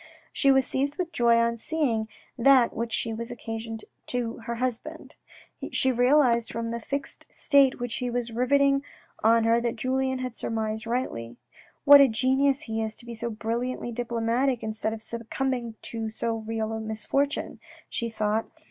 She was seized with joy on seeing that which she was occasioning to her husband. She realised from the fixed stare 134 THE RED AND THE BLACK which he was rivetting on her that Julien had surmised rightly. " What a genius he is to be so brilliantly diplomatic instead of succumbing to so real a misfortune," she thought.